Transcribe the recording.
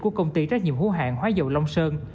của công ty trách nhiệm hữu hạng hóa dầu long sơn